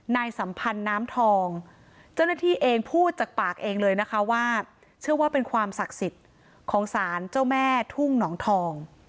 สัมพันธ์น้ำทองเจ้าหน้าที่เองพูดจากปากเองเลยนะคะว่าเชื่อว่าเป็นความศักดิ์สิทธิ์ของสารเจ้าแม่ทุ่งหนองทอง